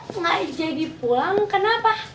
kok gak jadi pulang kenapa